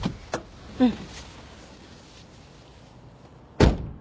うん。